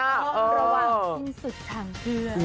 ต้องระวังสิ้นสุดทางเพื่อน